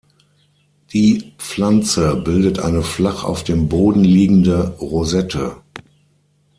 Die Pflanze bildet eine flach auf dem Boden liegende Rosette.